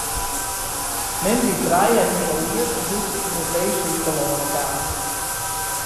Mem wie trije en in heal jier doe't se yn in weeshûs telâne kaam.